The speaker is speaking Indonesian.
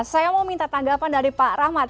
saya mau minta tanggapan dari pak rahmat